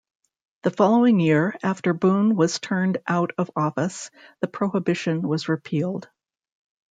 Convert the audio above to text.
The following year, after Boone was turned out of office, the prohibition was repealed.